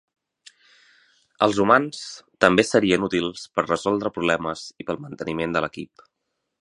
Els humans també serien útils per resoldre problemes i per al manteniment de l'equip.